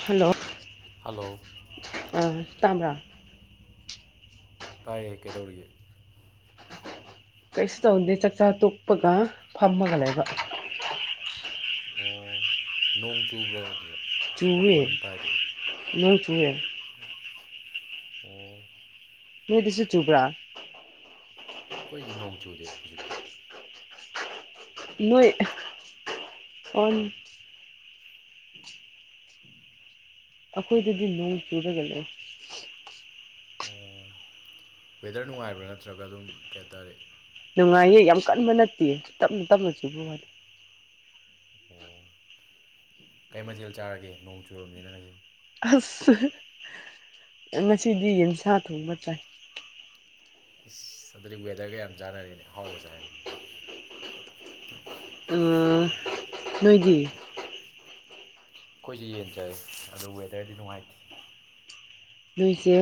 hello hello ꯑ ꯇꯝꯕ꯭ꯔꯥ ꯇꯥꯏꯌꯦ ꯀꯩꯗꯧꯔꯤꯒꯦ ꯀꯩꯁꯨ ꯇꯧꯟꯗꯦ ꯆꯥꯛꯆꯥ ꯇꯣꯛꯄꯒ ꯐꯝꯃꯒ ꯂꯩꯕ ꯑꯣ ꯅꯣꯡ ꯆꯨꯕ꯭ꯔꯣ ꯑꯗꯨꯗ ꯆꯨꯋꯦ ꯃꯈꯣꯟ ꯑꯃ ꯇꯥꯏꯗꯨ ꯅꯣꯡ ꯆꯨꯋꯦ ꯑꯣ ꯅꯣꯏꯗꯁꯨ ꯆꯨꯕ꯭ꯔꯥ ꯑꯩꯈꯣꯏꯗꯤ ꯅꯣꯡ ꯆꯨꯗꯦ ꯍꯧꯖꯤꯛꯇꯤ ꯅꯣꯏ ꯑꯣ ꯇꯥꯗꯔꯦ ꯑꯃ ꯇꯥ [inaudible] ꯑꯈꯣꯏꯗꯗꯤ ꯅꯣꯡ ꯆꯨꯔꯒꯅꯦ ꯑꯣ ꯋꯦꯗꯔ ꯅꯨꯡꯉꯥꯏꯕ꯭ꯔꯥ ꯅꯠꯇ꯭ꯔꯒ ꯑꯗꯨꯝ ꯀꯩꯇꯥꯔꯦ ꯅꯨꯡꯉꯥꯏꯌꯦ ꯌꯥꯝ ꯀꯟꯕ ꯅꯠꯇꯦ ꯇꯞꯅ ꯇꯞꯅ ꯆꯨꯕꯋꯥꯅꯤ ꯑꯣ ꯀꯩ ꯃꯊꯦꯜ ꯆꯥꯔꯒꯦ ꯅꯣꯡ ꯆꯨꯔꯕꯅꯤꯅ ꯉꯁꯦ ꯑꯁ ꯉꯁꯤꯗꯤ ꯌꯦꯟꯁꯥ ꯊꯣꯡꯕ ꯆꯥꯏ ꯏꯁ ꯑꯗꯨꯗꯤ ꯋꯦꯗꯔꯒ ꯌꯥꯝ ꯆꯥꯟꯅꯔꯤꯅꯦ ꯍꯥꯎꯕꯁꯦ ꯍꯥꯏꯅ ꯅꯣꯏꯗꯤ ꯑꯩꯈꯣꯏꯁꯦ ꯌꯦꯟꯖꯔꯦ ꯑꯗꯨ ꯋꯦꯗꯔꯗꯤ ꯅꯨꯡꯉꯥꯏꯇꯦ ꯅꯣꯏꯁꯦ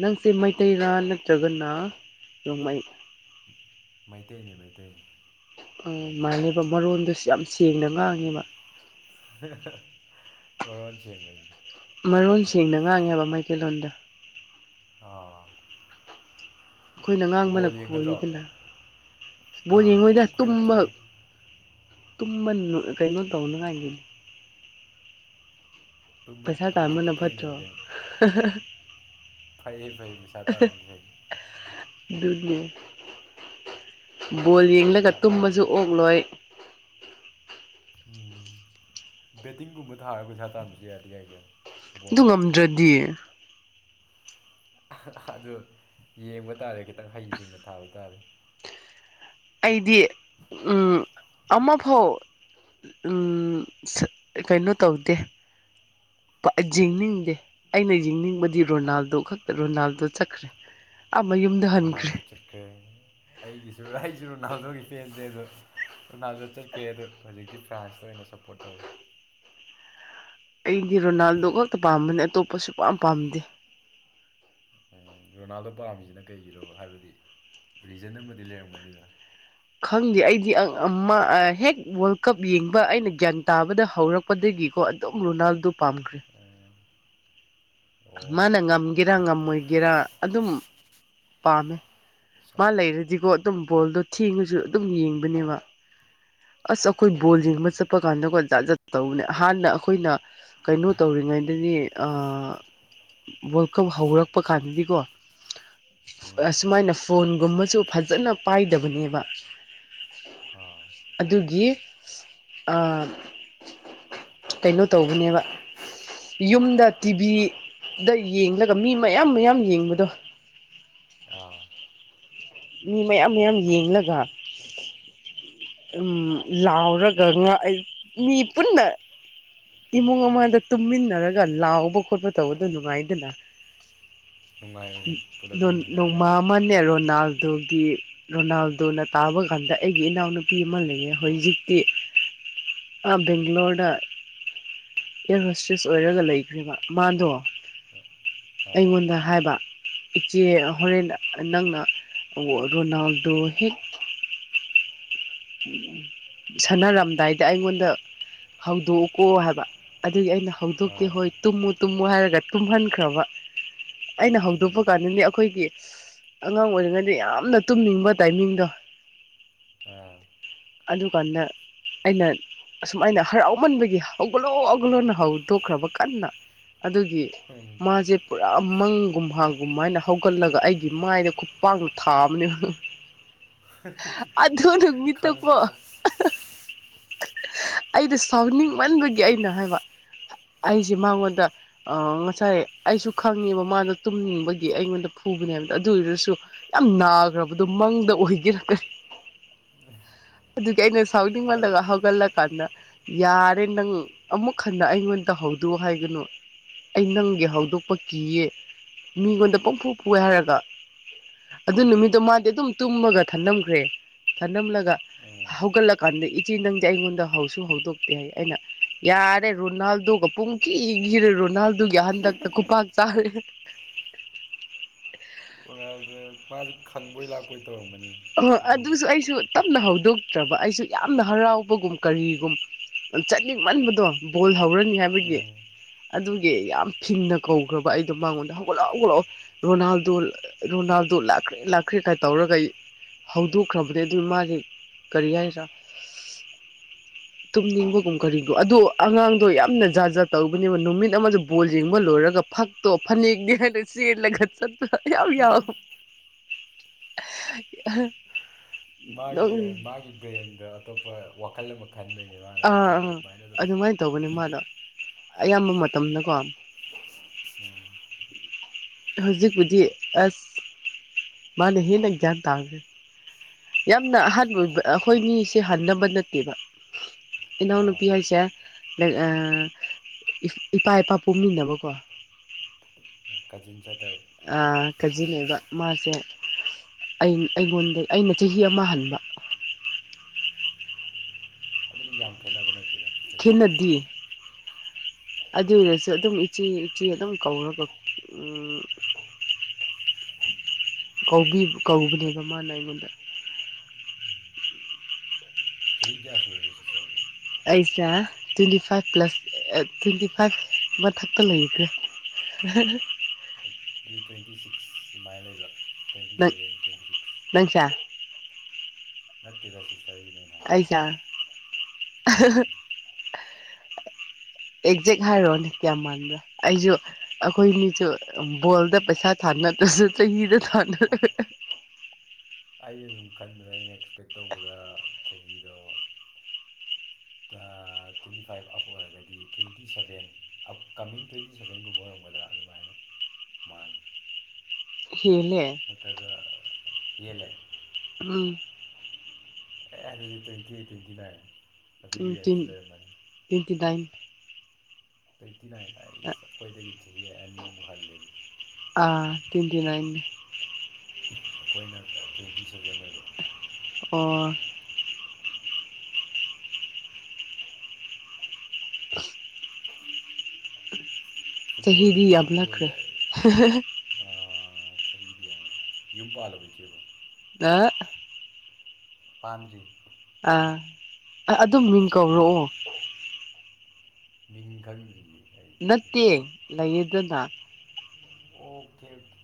ꯅꯪꯁꯦ ꯃꯩꯇꯩꯔꯥ ꯅꯠꯇ꯭ꯔꯒꯅ ꯅꯣꯡꯃꯩ ꯃꯩꯇꯩꯅꯤ ꯃꯩꯇꯩꯅꯤ ꯔꯣꯡꯃꯩ ꯅꯠꯇꯦ ꯃꯥꯅꯦꯕ ꯃꯔꯣꯟꯗꯨꯁꯨ ꯌꯥꯝ ꯁꯦꯡꯅ ꯉꯥꯡꯉꯦꯕ ꯃꯔꯣꯟ ꯁꯦꯡꯕꯩꯅꯤ ꯃꯔꯣꯟ ꯁꯦꯡꯅ ꯉꯥꯡꯉꯦꯕ ꯃꯥꯏꯀꯩꯂꯣꯟꯣꯗ ꯑꯥ ꯑꯩꯈꯣꯏꯅ ꯉꯥꯡꯕꯅ ꯕꯣꯜ ꯌꯦꯡꯒꯗ꯭ꯔꯣ ꯈꯣꯏꯔꯗꯅ ꯕꯣꯔ ꯑꯥ ꯌꯦꯉꯣꯏꯗ ꯈꯤꯇꯪ ꯈꯣꯏꯔꯞ ꯇꯨꯝꯕ ꯆꯠꯂꯦ ꯇꯨꯝꯃ ꯀꯩꯅꯣ ꯇꯧꯅꯉꯥꯏꯒꯤꯅꯤ ꯄꯩꯁꯥ ꯇꯥꯟꯕꯅ ꯍꯧꯒꯠꯄ ꯐꯠꯇ꯭ꯔꯣ ꯊꯦꯡꯅꯕꯅꯦꯕ ꯐꯩꯌꯦ ꯐꯩꯌꯦ ꯃꯩꯁꯥ ꯇꯥ ꯐꯩ ꯗꯂꯂꯤ ꯕꯣꯜ ꯌꯦꯡꯂꯒ ꯄꯩꯁꯥ ꯇꯥꯟꯕ ꯇꯨꯝꯃꯁꯨ ꯑꯣꯛꯂꯣꯏ ꯎꯝ ꯕꯦꯇꯤꯡꯒꯨꯝꯕ ꯊꯥꯔꯒ ꯄꯩꯁꯥ ꯇꯥꯟꯕꯁꯨ ꯌꯥꯗꯦ ꯌꯥꯏꯒ ꯑꯗꯨ ꯉꯝꯗ꯭ꯔꯗꯤ ꯑꯗꯨ ꯌꯦꯡꯕ ꯇꯥꯔꯦ ꯈꯤꯇꯪ ꯍꯩꯁꯤꯡꯅ ꯊꯥꯕ ꯇꯥꯔꯦ ꯑꯩꯗꯤ ꯎꯝ ꯑꯃꯐꯥꯎ ꯀꯩꯅꯣ ꯇꯧꯗꯦ ꯌꯦꯡꯅꯤꯡꯗꯦ ꯑꯩꯅ ꯌꯦꯡꯅꯤꯡꯕꯗꯤ ꯔꯣꯅꯥꯜꯗꯣ ꯈꯛꯇ ꯔꯣꯅꯥꯜꯗꯣ ꯆꯠꯈ꯭ꯔꯦ ꯑꯃꯌꯨꯝ ꯔꯣꯅꯥꯜꯗꯣ ꯆꯠꯈ꯭ꯔꯦ ꯑꯩꯒꯤꯁꯨ ꯑꯩꯁꯨ ꯔꯣꯅꯥꯜꯗꯣꯒꯤ ꯄꯦꯟꯗꯦ ꯑꯗꯣ ꯑꯗꯨꯅꯥꯜꯗ ꯆꯠꯈ꯭ꯔꯦ ꯑꯗꯣ ꯍꯧꯖꯤꯛꯇꯤ ꯐ꯭ꯔꯥꯟꯁꯇ ꯑꯣꯏꯅ ꯁꯞꯄꯣꯔꯠ ꯇꯧꯋꯤ ꯑꯩꯗꯤ ꯔꯣꯅꯥꯜꯗꯣ ꯈꯛꯇ ꯄꯥꯝꯕꯅꯦ ꯑꯇꯣꯞꯄꯁꯨ ꯄꯥꯝ ꯄꯥꯝꯗꯦ ꯔꯣꯅꯥꯜꯗꯣ ꯄꯥꯝꯃꯤꯁꯤꯅ ꯀꯩꯒꯤꯔꯣ ꯍꯥꯏꯕꯗꯤ ꯔꯤꯖꯟ ꯑꯃꯗꯤ ꯂꯩꯔꯝꯒꯅꯤꯗꯅ ꯈꯪꯗꯦ ꯑꯩꯗꯤ ꯍꯦꯛ ꯋꯥꯔꯜ ꯀꯞ ꯌꯦꯡꯕ ꯑꯩꯅ ꯒ꯭ꯌꯥꯟ ꯇꯥꯕꯗ ꯍꯧꯔꯛꯄ ꯂꯄꯗꯒꯤꯀꯣ ꯑꯗꯨꯝ ꯔꯣꯅꯥꯜꯗꯣ ꯄꯥꯝꯈ꯭ꯔꯦ ꯎ ꯃꯥꯅ ꯉꯝꯒꯦꯔꯥ ꯉꯝꯃꯣꯏꯒꯦꯔꯥ ꯑꯗꯨꯝ ꯄꯥꯝꯃꯦ ꯁꯞ ꯃꯥ ꯂꯩꯔꯗꯤꯀꯣ ꯑꯗꯨꯝ ꯕꯣꯜꯗꯣ ꯊꯦꯡꯉꯁꯨ ꯑꯗꯨꯝ ꯌꯦꯡꯕꯅꯦꯕ ꯑꯁ ꯑꯩꯈꯣꯏ ꯕꯣꯜ ꯌꯦꯡꯕ ꯆꯠꯄ ꯀꯥꯟꯗꯀꯣ ꯖꯥꯠ ꯖꯥꯠ ꯇꯧꯅꯦ ꯍꯥꯟꯅ ꯑꯩꯈꯣꯏꯅ ꯀꯩꯅꯣ ꯇꯧꯔꯤꯉꯩꯗꯗꯤ ꯋꯥꯔꯜ ꯀꯞ ꯍꯧꯔꯛꯄ ꯀꯥꯟꯗꯗꯤꯀꯣ ꯎꯝ ꯁꯁꯨꯃꯥꯏꯅ ꯐꯣꯟꯒꯨꯝꯕꯁꯨ ꯐꯖꯅ ꯄꯥꯏꯗꯕꯅꯦꯕ ꯑꯥ ꯑꯗꯨꯒꯤ ꯀꯩꯅꯣ ꯇꯧꯕꯅꯦꯕ ꯌꯨꯝꯗ ꯇꯤꯚꯤꯗ ꯌꯦꯡꯂꯒ ꯃꯤ ꯃꯌꯥꯝ ꯃꯌꯥꯝ ꯌꯦꯡꯕꯗꯣ ꯑꯥ ꯃꯤ ꯃꯌꯥꯝ ꯃꯌꯥꯝ ꯌꯦꯡꯂꯒ ꯎ ꯂꯥꯎꯔꯒ ꯉꯥ ꯃꯤ ꯄꯨꯟꯅ ꯏꯃꯨꯡ ꯑꯃꯗ ꯇꯨꯝꯃꯤꯟꯅꯔꯒ ꯂꯥꯎꯕ ꯈꯣꯠꯄ ꯇꯧꯕꯗ ꯅꯨꯡꯉꯥꯏꯗꯅ ꯅꯨꯡꯉꯥꯏꯕꯅꯤ ꯄꯨꯂꯞ ꯅꯣꯡꯃ ꯌꯦꯡꯃꯤꯟꯅꯔꯒꯅ ꯑꯃꯅꯦ ꯔꯣꯅꯥꯜꯗꯨꯒꯤ ꯔꯣꯅꯥꯜꯗꯣꯅ ꯇꯥꯕ ꯀꯥꯟꯗ ꯑꯩꯒꯤ ꯏꯅꯥꯎꯅꯨꯄꯤ ꯑꯃ ꯂꯩꯌꯦ ꯍꯧꯖꯤꯖꯤꯛꯇꯤ ꯑ ꯒꯂꯣꯔꯗ ꯑꯦꯔ ꯍꯣꯁꯔꯤꯁ ꯑꯣꯏꯔꯒ ꯂꯩꯈ꯭ꯔꯦꯕ ꯃꯥꯗꯣ ꯑꯥ ꯑꯩꯉꯣꯟꯗ ꯍꯥꯏꯕ ꯏꯆꯦ ꯍꯣꯔꯦꯟꯅ ꯅꯪꯅ ꯔꯣꯅꯥꯜꯗꯣ ꯍꯦꯛ ꯎ ꯁꯥꯟꯅꯔꯝꯗꯥꯏꯗ ꯑꯩꯉꯣꯟꯗ ꯍꯧꯗꯣꯛꯎꯀꯣ ꯍꯥꯏꯕ ꯑꯗꯨꯗꯤ ꯑꯩꯅ ꯍꯧꯗꯣꯛꯀꯦ ꯑꯥ ꯍꯣꯏ ꯇꯨꯝꯃꯨ ꯇꯨꯝꯃꯨ ꯍꯥꯏꯔꯒ ꯇꯨꯝꯍꯟꯈ꯭ꯔꯕ ꯑꯩꯅ ꯍꯧꯗꯣꯛꯄ ꯀꯥꯟꯗꯅꯦ ꯑꯩꯈꯣꯏꯒꯤ ꯑꯉꯥꯡ ꯑꯣꯏꯔꯤꯉꯩꯗ ꯌꯥꯝꯅ ꯇꯨꯝꯅꯤꯡꯕ ꯇꯥꯏꯃꯤꯡꯗꯣ ꯑ ꯑꯗꯨꯀꯥꯟꯗ ꯑꯩꯅ ꯑꯁꯃꯥꯏꯅ ꯍꯔꯥꯎꯃꯟꯕꯒꯤ ꯍꯧꯒꯠꯂꯣ ꯍꯧꯒꯠꯂꯣꯅ ꯍꯧꯗꯣꯛꯈ꯭ꯔꯕ ꯀꯟꯅ ꯑꯗꯨꯒꯤ ꯃꯥꯁꯦ ꯄꯨꯔꯥ ꯃꯪꯒꯨꯝ ꯍꯥꯡꯒꯨꯝ ꯍꯥꯏꯅ ꯍꯧꯒꯠꯂꯒ ꯑꯩꯒꯤ ꯃꯥꯏꯗ ꯈꯨꯠꯄꯥꯡ ꯊꯥꯕꯅꯦ [unintelligible] ꯑꯗꯨꯅ ꯃꯤꯠꯇꯀꯣ ꯑꯩꯗꯤ ꯁꯥꯎꯅꯤꯡꯃꯟꯕꯒꯤ ꯑꯩꯅ ꯍꯥꯏꯕ ꯑꯩꯁꯦ ꯃꯉꯣꯟꯗ ꯑ ꯉꯁꯥꯏ ꯑꯩꯁꯨ ꯈꯪꯉꯦꯕ ꯃꯥꯗꯣ ꯇꯨꯝꯅꯤꯡꯕꯒꯤ ꯑꯩꯉꯣꯟꯗ ꯐꯨꯕꯅꯦꯕꯗ ꯑꯗꯨ ꯑꯣꯏꯔꯁꯨ ꯌꯥꯝ ꯅꯥꯈ꯭ꯔꯕꯗꯨꯣ ꯃꯪꯗ ꯑꯣꯏꯒꯦꯔꯛ ꯀꯅꯤ ꯑꯗꯨꯗꯤ ꯑꯩꯅ ꯁꯥꯎꯅꯤꯡꯃꯜꯂꯒ ꯍꯧꯒꯠꯂꯛ ꯀꯥꯟꯗ ꯌꯥꯔꯦ ꯅꯪ ꯑꯃꯨꯛ ꯍꯟꯅ ꯑꯩꯉꯣꯟ ꯇꯧꯍꯧꯗꯣ ꯍꯥꯏꯒꯅꯨ ꯑꯩ ꯅꯪꯒꯤ ꯍꯧꯗꯣꯛꯄ ꯀꯤꯌꯦ ꯃꯤꯉꯣꯟꯗ ꯄꯪꯐꯣꯛ ꯐꯑꯦ ꯍꯥꯏꯔꯒ ꯑꯗꯨ ꯅꯨꯃꯤꯠꯇꯣ ꯃꯥꯗꯤ ꯑꯗꯨꯝ ꯇꯨꯝꯃꯒ ꯊꯝꯅꯝꯈ꯭ꯔꯦ ꯊꯅꯝꯂꯒ ꯍꯧꯒꯠꯂꯀꯥꯟꯗ ꯏꯆꯦ ꯅꯪꯗꯤ ꯑꯩꯉꯣꯟꯗ ꯍꯧꯁꯨ ꯍꯧꯗꯣꯛꯇꯦ ꯍꯥꯏ ꯑꯩꯅ ꯌꯥꯔꯦ ꯔꯣꯅꯥꯜꯗꯨꯣꯒ ꯄꯨꯡ ꯀꯈꯤꯈꯤꯔꯦ ꯔꯣꯅꯥꯜꯗꯨꯒꯤ ꯍꯟꯗꯛꯇ ꯈꯨꯄꯥꯛꯥꯛ ꯆꯥꯔꯦ ꯑꯣꯗ ꯃꯥꯁꯨ ꯈꯪꯕꯣꯏ ꯂꯥꯛꯄꯣꯏ ꯑ ꯑꯗꯨꯁꯨ ꯑꯩꯁꯨ ꯇꯞꯅ ꯍꯧꯗꯣꯛꯇ꯭ꯔꯕ ꯑꯩꯁꯨ ꯌꯥꯝꯅ ꯍꯔꯥꯎꯕꯒꯨꯝ ꯀꯔꯤꯒꯨꯝ ꯆꯠꯅꯤꯡꯃꯟꯕꯗꯣ ꯕꯣꯜ ꯍꯧꯔꯅꯤ ꯍꯥꯏꯕꯒꯤ ꯑꯗꯨꯒꯤ ꯌꯥꯝ ꯐꯤꯟꯅ ꯀꯧꯈ꯭ꯔꯕ ꯑꯩꯗꯣ ꯃꯉꯣꯟꯗ ꯍꯧꯒꯠꯂꯛ ꯍꯧꯒꯠꯂꯛꯑꯣ ꯔꯣꯅꯥꯜꯗꯣ ꯔꯣꯅꯥꯜꯗꯣ ꯂꯥꯛꯈ꯭ꯔꯦ ꯂꯥꯛꯈ꯭ꯔꯦ ꯀꯥꯏ ꯇꯧꯔꯒ ꯑꯩ ꯍꯧꯗꯣꯛꯈ꯭ꯔꯕꯗꯤ ꯑꯗꯨꯒꯤ ꯃꯥꯁꯦ ꯀꯔꯤ ꯍꯥꯏꯔꯤꯁꯥ ꯇꯨꯝꯅꯤꯡꯕꯒꯨꯝ ꯀꯔꯤꯗꯣ ꯑꯗꯣ ꯑꯉꯥꯡꯗꯣ ꯌꯥꯝꯅ ꯖꯥꯠꯖꯥꯠ ꯇꯧꯧꯕꯅꯦꯕ ꯅꯨꯃꯤꯠ ꯑꯃꯗ ꯕꯣꯜ ꯌꯦꯡꯕ ꯂꯣꯏꯔꯒ ꯐꯛ ꯇꯣ ꯐꯅꯤꯒ ꯁꯤꯂꯒꯠ ꯆ ꯌꯥꯎ ꯌꯥꯎ ꯃꯥꯒꯤ ꯃꯥꯒꯤ ꯕ꯭ꯔꯦꯟꯗ ꯑꯇꯣꯞꯄ ꯋꯥꯈꯜ ꯑꯃ ꯈꯟꯕꯩꯅꯦ ꯃꯥꯅ ꯑꯗꯨ ꯇꯧꯋꯗ ꯑꯗꯨꯃꯥꯏꯅ ꯑꯗꯨꯝ ꯇꯧꯕꯅꯤ ꯃꯥꯗꯣ ꯑꯌꯥꯝꯕ ꯃꯇꯝꯅꯀꯣ ꯎꯝ ꯍꯧꯖꯤꯛꯄꯨꯗꯤ ꯑꯁ ꯃꯥꯅ ꯍꯦꯟꯅ ꯒ꯭ꯌꯥꯟ ꯇꯥꯈ꯭ꯔꯦ ꯌꯥꯝꯅ ꯑꯍꯥꯟꯕ ꯑꯣꯏꯕ ꯑꯩꯈꯣꯏ ꯃꯤꯁꯦ ꯍꯟꯅꯕ ꯅꯠꯇꯦꯕ ꯏꯅꯥꯎ ꯑꯥ ꯅꯨꯄꯤꯁꯦ ꯏꯄꯥ ꯏꯄꯥ ꯄꯣꯛꯃꯤꯟꯅꯕꯀꯣ ꯀꯥꯖꯤꯤꯟ ꯆꯇꯔ ꯀꯖꯤ ꯂꯩꯕ ꯃꯥꯁꯦ ꯑꯩꯉꯣꯟꯗ ꯑꯩꯅ ꯆꯍꯤ ꯑꯃ ꯍꯟꯕ ꯑꯗꯨꯗꯤ ꯌꯥꯝ ꯈꯦꯠꯅꯕ ꯅꯠꯇꯦ ꯈꯦꯟꯅꯗꯤ ꯑꯗꯨ ꯑꯣꯏꯔꯁꯨ ꯑꯗꯨꯝ ꯏꯆꯦ ꯏꯆꯦ ꯑꯗꯨꯝ ꯀꯧꯔꯒ ꯀꯧꯕ ꯀꯧꯕꯅꯦꯕ ꯃꯥꯅ ꯑꯩꯉꯣꯟꯗ ꯆꯍꯤ ꯀꯌꯥ ꯁꯨꯔꯒꯁ ꯁꯤꯁꯇꯔ ꯑꯩꯁꯦ twenty five plus twenty five ꯃꯊꯛꯇ ꯂꯩꯗ꯭ꯔꯦ [unintelligible] ꯑꯗꯨꯗꯤ ꯇ꯭ꯋꯦꯟꯇꯤ ꯁꯤꯛꯁ ꯁꯨꯃꯥꯏꯅ ꯂꯩꯕ꯭ꯔꯥ ꯇ꯭ꯋꯦꯟꯇꯤ ꯁꯕꯦꯟ ꯇ꯭ꯋꯦꯟꯇꯤ ꯁꯤꯛꯁ ꯅꯪꯁꯤꯌꯥ ꯅꯠꯇꯦꯗꯁꯤꯁꯦ ꯑꯩꯁꯥ ꯑꯦꯛꯖꯦꯛ ꯍꯥꯏꯔꯛꯣꯅꯦ ꯀꯌꯥꯝ ꯃꯥꯟꯕ꯭ꯔꯣ ꯑꯩꯁꯨ ꯑꯩꯈꯣꯏꯅꯤꯁꯨ ꯕꯣꯜꯗ ꯄꯩꯁꯥ ꯊꯥ ꯅꯠꯇ꯭ꯔꯁꯨ ꯆꯍꯤꯗ ꯍꯝ ꯊꯥꯅꯔ ꯑꯩꯅ ꯁꯨꯝ ꯈꯟꯕꯗ ꯑꯩꯅ ꯑꯦꯛꯁꯄꯦꯛ ꯇꯧꯕꯗ ꯆꯍꯤꯗꯣ ꯇ꯭ꯋꯦꯟꯇꯤ ꯐꯥꯏꯚ ꯑꯞ ꯑꯣꯏꯔꯒꯗꯤ ꯇꯣꯏꯟꯇꯤ ꯁꯕꯦꯟ ꯑꯞꯀꯃꯤꯡ ꯇ꯭ꯋꯦꯟꯇꯤ ꯁꯚꯦꯟꯒꯨꯝꯕ ꯑꯣꯏꯔꯝꯒꯗ꯭ꯔꯥ ꯑꯗꯨꯃꯥꯏꯅ ꯃꯥꯜꯂꯤ ꯊꯤꯅꯦ ꯃꯠꯇꯒ ꯌꯦꯂꯦ ꯑꯥ ꯑꯦ ꯑꯗꯨꯗꯤ ꯇ꯭ꯋꯦꯟꯇꯤ ꯇ꯭ꯋꯦꯟꯇꯤ ꯅꯥꯏꯟ ꯎ ꯑꯗꯨꯒꯤ ꯇꯤꯟ ꯔꯦꯟꯖꯇ ꯂꯩꯔꯝꯃꯅꯤ ꯇ꯭ꯋꯦꯟꯇꯤꯗꯥꯏꯟ ꯇ꯭ꯋꯦꯟꯇꯤ ꯅꯥꯏꯟ ꯑꯩ ꯏꯁ ꯑꯩꯈꯣꯏꯗꯒꯤ ꯆꯍꯤ ꯑꯅꯤꯃꯨꯛ ꯍꯜꯂ‌ꯦ ꯑꯗꯨꯗꯤ ꯑꯥ ꯇꯤꯟꯇꯤꯅꯏ ꯑꯩꯈꯣꯏꯅꯒ ꯇ꯭ꯋꯦꯟꯇꯤ ꯁꯚꯦꯟ ꯑꯣꯏꯕ ꯑꯣ ꯐꯨꯠꯕꯣꯜ ꯆꯍꯤꯗꯤ ꯌꯥꯝꯂꯛꯈ꯭ꯔꯦ ꯐꯨꯠꯕꯣꯜꯦ ꯆꯍꯤꯗꯤ ꯌꯥꯝꯣ ꯌꯨꯝ ꯄꯥꯜꯂꯕ ꯏꯆꯦꯕꯣ ꯑ ꯄꯥꯟꯗ꯭ꯔꯤ ꯑꯥ ꯑꯗꯨꯝ ꯃꯤꯡ ꯀꯧꯔꯛꯑꯣ ꯃꯤꯡꯈꯪꯖꯏ ꯅꯠꯇꯦ ꯂꯩꯌꯦꯗꯅ ꯑꯣꯀꯦ ꯑꯣꯀꯦ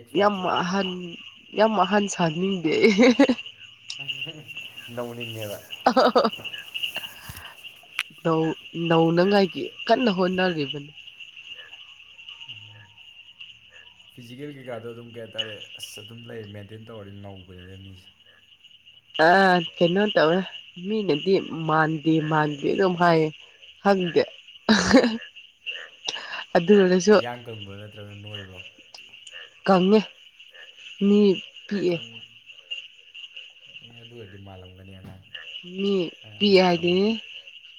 ꯑꯦꯛꯁ ꯋꯥꯏ ꯌꯥꯝ ꯖ‌ꯦꯠ ꯍꯥꯏ ꯑꯍꯟ ꯇꯥꯔꯦ ꯌꯥꯝ ꯑꯍꯟ ꯁꯥꯅꯤꯡꯗꯦ ꯅꯎꯅꯤꯡꯉꯦꯗ ꯑꯣ ꯅꯧꯅꯉꯥꯏꯒꯤ ꯀꯟꯅ ꯍꯣꯠꯅꯔꯤꯕꯅꯤ ꯐꯤꯖꯤꯀꯦꯜ ꯀꯩꯀꯥꯗꯣ ꯑꯗꯨꯝ ꯀꯩ ꯍꯥꯏꯇꯥꯔꯦ ꯑꯁ ꯑꯗꯨꯝ ꯂꯩ ꯃꯦꯟꯇꯦꯟ ꯇꯧꯔꯅꯤ ꯅꯧꯕꯅꯤꯅ ꯃꯤꯁꯦ ꯑ ꯀꯩꯅꯣ ꯇꯧꯋꯦ ꯃꯤꯅꯗꯤ ꯃꯥꯟꯗꯦ ꯃꯥꯟꯗꯦ ꯑꯗꯨꯝ ꯍꯥꯏꯌꯦ ꯍꯦ [inaudible] ꯑꯗꯨꯅ ꯅꯪꯁꯨ ꯀꯪꯕ꯭ꯔꯥ ꯅꯠꯇ꯭ꯔꯒ ꯅꯣꯏꯕ꯭ꯔꯣ ꯀꯪꯉꯤ ꯃꯤ ꯄꯤꯛꯑꯦ ꯑꯦ ꯑꯗꯨ ꯑꯣꯏꯔꯗꯤ ꯃꯥꯜꯂꯝꯒꯅꯤ ꯑꯉꯥꯡ ꯃꯤ ꯄꯤ ꯑꯉꯥꯡ ꯃꯆꯥ ꯍꯥꯏꯗꯤ ꯃꯥꯜꯂꯝ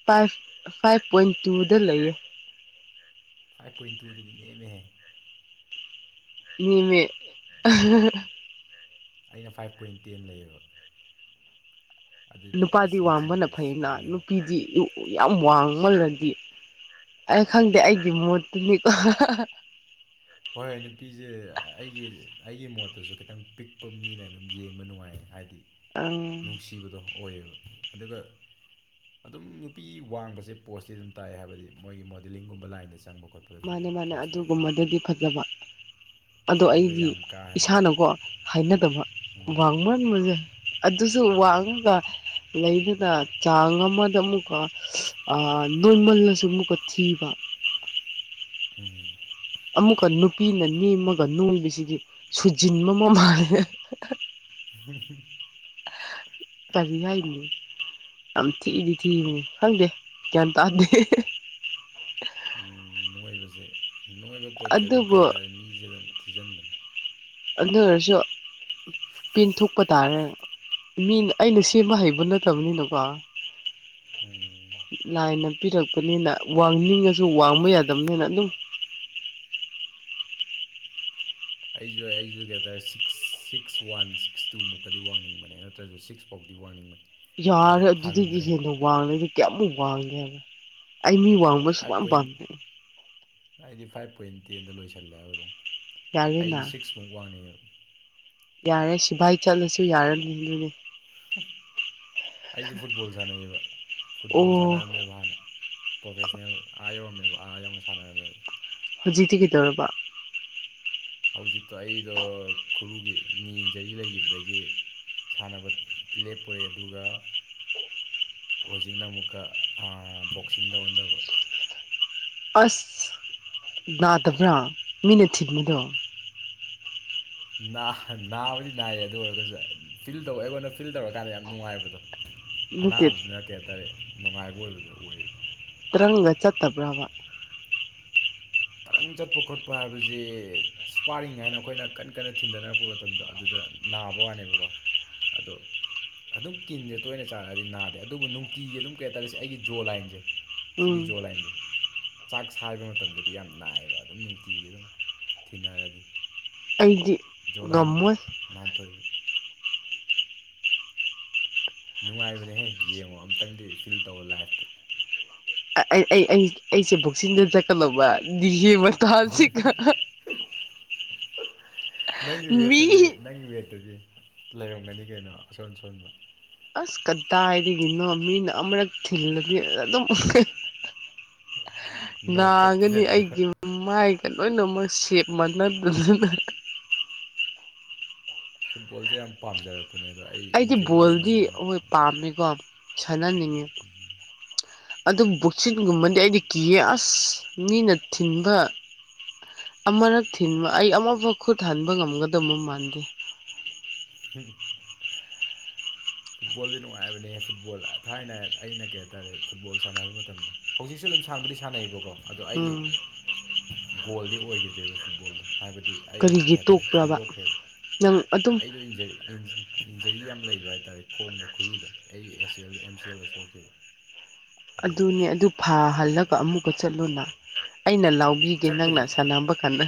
ꯐꯥꯏꯚ ꯐꯥꯏꯚ ꯄꯣꯏꯟ ꯇꯨꯗ ꯂꯩꯌꯦ ꯐꯥꯏꯚ ꯄꯣꯏꯟ ꯇꯨꯗꯨꯗꯤ ꯅ‌ꯦꯝꯃꯦꯍꯦ ꯅ‌ꯦꯝꯃꯦ ꯑꯩꯅ ꯐꯥꯏꯚ ꯄꯣꯏꯟ ꯇꯦꯟ ꯂꯩꯌꯦꯕ ꯑꯗꯨꯗꯤ ꯅꯨꯄꯥꯗꯤ ꯑꯁ ꯏꯟꯆꯤ ꯋꯥꯡꯕꯅ ꯐꯩꯅ ꯐꯅꯌꯥꯝ ꯅꯨꯄꯤꯗꯤ ꯌꯨ ꯌꯥꯝ ꯋꯥꯡꯃꯜꯂꯗꯤ ꯑꯩ ꯈꯪꯗꯦ ꯑꯩꯒꯤ ꯃꯣꯠꯇꯨꯅꯤꯀꯣ ꯍꯣꯏ ꯍꯣꯏ ꯅꯨꯄꯤꯁꯦ ꯑꯩꯒꯤ ꯑꯩꯒꯤ ꯃꯣꯠꯇꯁꯨ ꯈꯤꯇꯪ ꯄꯤꯛꯄ ꯃꯤꯅ ꯑꯗꯨꯝ ꯌꯦꯡꯕ ꯅꯨꯡꯉꯥꯏ ꯍꯥꯏꯗꯤ ꯑꯪ ꯅꯨꯡꯁꯤꯕꯗꯣ ꯑꯣꯏꯌꯦꯕ ꯑꯗꯨꯒ ꯑꯗꯨꯝ ꯅꯨꯄꯤ ꯋꯥꯡꯕꯁꯦ ꯄꯣꯁꯇꯤ ꯑꯗꯨꯝ ꯇꯥꯏꯑ ꯍꯥꯏꯕꯗꯤ ꯃꯣꯏꯒꯤ ꯃꯣꯗꯂꯤꯡꯒꯨꯝꯕ ꯂꯥꯏꯟꯗ ꯆꯪꯕ ꯈꯣꯠꯄ ꯃꯥꯅꯦ ꯃꯥꯅꯦ ꯑꯗꯨꯒꯨꯝꯕꯗꯗꯤ ꯐꯖꯕ ꯑꯗꯣ ꯑꯗꯨꯒ ꯑꯩꯗꯤ ꯌꯥꯝ ꯀꯥ ꯍꯦꯟꯅ ꯏꯁꯥꯅꯀꯣ ꯍꯥꯏꯅꯗꯕ ꯋꯥꯡꯃꯟ ꯃꯁꯦ ꯑꯗꯨꯁꯨ ꯋꯥꯡꯉꯒ ꯂꯩꯗꯅ ꯆꯥꯡ ꯑꯃꯗ ꯑꯃꯨꯛꯀ ꯅꯣꯔꯃꯜꯂꯁꯨ ꯑꯃꯨꯛꯀ ꯊꯤꯕ ꯍꯝ ꯑꯃꯨꯛꯀ ꯅꯨꯄꯤꯅ ꯅꯤꯃꯒ ꯅꯣꯡꯕꯁꯤꯗꯤ ꯁꯨꯖꯤꯟꯕ ꯑꯃ ꯃꯥꯜꯂꯦ ꯍꯝ [unintelligible] ꯀꯥꯔꯤ ꯍꯥꯏꯅꯤ ꯌꯥꯝ ꯊꯤꯗꯤ ꯊꯤꯚꯅꯤ ꯈꯪꯗꯦ ꯒ꯭ꯌꯥꯟ ꯇꯥꯗꯦ ꯎꯝ ꯅꯣꯏꯕꯁꯦ ꯅꯣꯏꯕ ꯄꯣꯠꯁꯦ ꯑꯗꯨꯝ ꯀꯩ ꯑꯗꯨꯕꯨ ꯍꯥꯏꯇꯥꯔꯦ ꯃꯤꯁꯦ ꯑꯗꯨꯝ ꯊꯤꯖꯤꯟꯕꯅꯤ ꯑꯗꯨ ꯑꯣꯏꯔꯁꯨ ꯄꯤꯟꯊꯣꯛꯄ ꯇꯥꯔꯦ ꯃꯤ ꯑꯩꯅ ꯁꯦꯝꯕ ꯍꯩꯕ ꯅꯠꯇꯕꯅꯤꯅꯀꯣ ꯎꯝ ꯂꯥꯏꯅ ꯄꯤꯔꯛꯄꯅꯤꯅ ꯋꯥꯡꯅꯤꯡꯉꯁꯨ ꯋꯥꯡꯕ ꯌꯥꯗꯕꯅꯤꯅ ꯑꯗꯨꯝ ꯑꯩꯁꯨ ꯑꯩꯁꯨ ꯀꯩ ꯍꯥꯏꯇꯥꯔꯦ six six one six two ꯃꯨꯛꯀꯗꯤ ꯋꯥꯡꯅꯤꯡꯕꯅꯦ ꯅꯠꯇ꯭ꯔꯁꯨ ꯁꯤꯛꯁ ꯐꯥꯎꯗꯤ ꯋꯥꯡꯅꯤꯡꯕꯅꯤ ꯌꯥꯔꯦ ꯑꯗꯨꯗꯒꯤ ꯍꯦꯟꯅ ꯋꯥꯡꯉꯦꯗ ꯀꯌꯥꯃꯨꯛ ꯋꯥꯡꯒꯦꯕ ꯑꯩ ꯃꯤ ꯋꯥꯡ ꯐꯥꯏꯚ ꯄꯣꯏꯟ ꯍꯥꯏꯗꯤ ꯐꯥꯏꯚ ꯄꯣꯏꯟ ꯇꯦꯟꯗ ꯂꯣꯏꯁꯤꯜꯂꯦ ꯍꯥꯏꯕ ꯑꯗꯨꯝ ꯌꯥꯔꯦꯅ ꯑꯩꯗꯤ ꯁꯤꯛꯁꯃꯨꯛ ꯋꯥꯡꯅꯤꯉ‌ꯦꯕ ꯌꯥꯔꯦ ꯁꯤꯚꯥꯏ ꯆꯠꯂꯁꯨ ꯌꯥꯔꯅꯤ ꯑꯗꯨꯗꯤ ꯑꯩꯁꯦ ꯐꯨꯠꯕꯣꯜ ꯁꯥꯟꯅꯩꯌꯦꯕ ꯐꯨꯠꯕꯣꯜ ꯑꯣ ꯁꯥꯟꯅꯔꯝꯃꯦꯕ ꯍꯥꯟꯅ ꯄ꯭ꯔꯣꯐꯦꯁꯅꯦꯜ ꯑꯥ ꯌꯧꯔꯝꯃꯦꯕ ꯑꯥ ꯌꯧꯅ ꯁꯥꯟꯅꯔꯝꯃꯦꯕ ꯍꯧꯖꯤꯛꯇꯤ ꯀꯩꯗꯧꯔꯕ ꯍꯧꯖꯤꯛꯇꯣ ꯑꯩꯗꯣ ꯈꯨꯔꯨꯒꯤ ꯅꯤ ꯏꯟꯖꯔꯤ ꯂꯩꯒꯤꯕꯗꯒꯤ ꯁꯥꯟꯅꯕ ꯂꯦꯞꯄꯨꯔꯦ ꯑꯗꯨꯒ ꯍꯧꯖꯤꯛꯅ ꯑꯃꯨꯛꯀ ꯕꯣꯛꯁꯤꯡꯗꯧ ꯑꯣꯟꯗꯕ ꯑꯁ ꯅꯥꯗꯕ꯭ꯔꯥ ꯃꯤꯅ ꯊꯤꯟꯕꯗꯣ ꯅꯥꯕꯗꯤ ꯅꯥꯏꯌꯦ ꯑꯗꯨ ꯑꯣꯏꯔꯒꯁꯨ ꯐꯤꯜ ꯇꯧ ꯑꯩꯉꯣꯟꯗ ꯐꯤꯜ ꯇꯧꯔꯀꯥꯟꯗ ꯌꯥꯝ ꯅꯨꯡꯉꯥꯏꯕꯗꯣ ꯅꯠꯇꯦ ꯑꯅꯥꯕꯕꯁꯤꯅ ꯀꯩ ꯍꯥꯏꯇꯥꯔꯦ ꯅꯨꯡꯉꯥꯏꯕ ꯑꯣꯏꯕꯗꯨ ꯑꯣꯏꯌꯦꯕ ꯇ꯭ꯔꯪꯒ ꯆꯠꯇꯕ꯭ꯔꯕ ꯇꯔꯪ ꯆꯠꯄ ꯈꯣꯠꯄ ꯍꯥꯏꯕꯁꯤ ꯏꯁ꯭ꯄꯥꯔꯤꯡ ꯍꯥꯏꯅ ꯑꯩꯈꯣꯏꯅ ꯀꯟꯅ ꯀꯟꯅ ꯊꯤꯟꯊꯅꯔꯛꯄ ꯃꯇꯝꯗꯣ ꯑꯗꯨꯗ ꯅꯥꯕ ꯋꯥꯅꯦꯕꯀꯣ ꯑꯗꯣ ꯑꯗꯨꯝ ꯀꯤꯟꯁꯦ ꯇꯣꯏꯅ ꯆꯥꯔꯛꯑꯗꯤ ꯅꯥꯗꯦ ꯑꯗꯨꯕꯨ ꯅꯨꯡ ꯎꯝ ꯁꯤꯒꯤ ꯖꯣ ꯂꯥꯏꯟꯁꯦ ꯆꯥꯛ ꯁꯥꯕ ꯃꯇꯝꯗ ꯌꯥꯝ ꯅꯥꯏꯑꯌꯦꯕ ꯑꯗꯨꯝ ꯅꯨꯡꯇꯤꯒꯤ ꯑꯗꯨꯝ ꯊꯤꯟꯅꯔꯗꯤ ꯑꯩꯗꯤ ꯉꯝꯃꯣꯏ ꯅꯥꯥꯟꯊꯣꯏꯨ ꯅꯨꯡꯉꯥꯏꯕꯅꯦꯍꯦ ꯌꯦꯡꯉꯣ ꯑꯝꯇꯪꯗꯤ ꯐꯤꯜ ꯇꯧꯋ ꯂꯥꯏꯐꯇ ꯑꯩ ꯑꯩ ꯑꯩ ꯑꯩꯁꯦ ꯕꯣꯛꯆꯗ ꯆꯠꯀꯂꯧꯕ ꯗꯤ ꯌꯦ ꯅꯪꯒꯤ ꯃꯤ ꯋꯦꯠꯇꯗꯤ ꯅꯪꯒꯤ ꯋꯦꯠꯇꯗꯤ ꯂꯩꯔꯝꯒꯅꯤ ꯀꯩꯅꯣ ꯑꯁꯣꯟ ꯑꯁꯣꯟꯕ ꯑꯁ ꯀꯗꯥꯏꯗꯒꯤꯅꯣ ꯃꯤꯅ ꯑꯃꯨꯔꯛ ꯊꯤꯜꯂꯗꯤ ꯑꯗꯨꯝ ꯅꯣꯛ ꯅꯥꯒꯅꯤ ꯆꯠꯈꯤꯗꯅꯦꯈ ꯑꯩꯒꯤ ꯃꯥꯏꯒ ꯂꯣꯏꯅꯃꯛ ꯁꯦꯞ ꯃꯥꯅꯗꯗꯅ ꯐꯨꯠꯕꯣꯜꯁꯦ ꯌꯥꯝ ꯄꯥꯝꯖꯔꯕꯕ ꯑꯩꯗꯤ ꯕꯣꯜꯗꯤ ꯑꯩꯈꯣꯏ ꯄꯥꯝꯃꯦꯀꯣ ꯁꯥꯟꯅꯅꯤꯡꯉꯤ ꯑꯗꯨ ꯕꯨꯛꯁꯤꯠꯒꯨꯝꯕꯗꯤ ꯑꯩꯗꯤ ꯀꯤꯌꯦ ꯑꯁ ꯃꯤꯅ ꯊꯤꯟꯕ ꯑꯃꯔꯛ ꯊꯤꯟꯕ ꯑꯩ ꯑꯃꯐꯥꯎ ꯈꯨꯠ ꯍꯟꯕ ꯉꯝꯒꯗꯕ ꯃꯥꯟꯗꯦ ꯍꯝ ꯐꯨꯠꯕꯣꯜꯗꯤ ꯅꯨꯡꯉꯥꯏꯕꯅꯦꯍ ꯐꯨꯠꯕꯣꯜ ꯊꯥꯏꯅ ꯑꯩꯅ ꯀꯩ ꯍꯥꯏꯇꯥꯔꯦ ꯐꯨꯠꯕꯣꯜ ꯁꯥꯟꯅꯕ ꯃꯇꯝꯗ ꯍꯧꯖꯤꯛꯁꯨ ꯑꯗꯨꯝ ꯁꯥꯟꯕꯨꯗꯤ ꯁꯥꯟꯅꯩꯑꯕꯀꯣ ꯑꯗꯣ ꯑꯩꯒꯤ ꯎꯝ ꯒꯣꯜꯗꯤ ꯑꯣꯏꯈꯤꯗ꯭ꯔꯦꯕ ꯐꯨꯠꯕꯣꯜꯗꯣ ꯍꯥꯏꯕꯗꯤ ꯑꯩ ꯀꯔꯤꯒꯤ ꯀꯩ ꯍꯥꯏꯇꯥꯔꯦ ꯇꯣꯛꯄ꯭ꯔꯕ ꯈꯟꯗꯣꯛꯈ꯭ꯔꯦꯕ ꯅꯪ ꯑꯗꯨꯝ ꯑꯩꯗꯣ ꯏꯟꯖꯔ ꯏꯟꯖꯔꯤ ꯌꯥꯝ ꯂꯩꯕ ꯍꯥꯏꯇꯥꯔꯦ ꯈꯣꯡꯗꯣ ꯈꯨꯔꯨꯗꯣ ꯑꯩ ꯑꯦꯁ ꯑꯦꯜꯒꯤ ꯑꯦꯝ ꯁꯤ ꯑꯦꯜꯗ ꯁꯣꯛꯈꯤꯕ ꯑꯗꯨꯒꯤ ꯑꯗꯨꯅꯦ ꯑꯗꯨ ꯐꯍꯜꯂꯒ ꯑꯃꯨꯛꯀ ꯆꯠꯂꯨꯅ ꯑꯩꯅ ꯂꯥꯎ ꯒꯤꯅ ꯆꯠꯄꯨꯗꯤ ꯅꯪꯅꯥ ꯁꯥꯟꯅꯕ ꯈꯅ